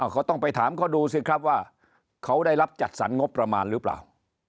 เขาต้องไปถามเขาดูสิครับว่าเขาได้รับจัดสรรงบประมาณหรือเปล่า